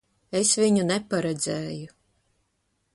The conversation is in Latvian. Es viņu neparedzēju.